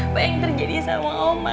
apa yang terjadi sama oma